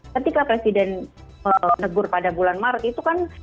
nanti kalau presiden menegur pada bulan maret itu kan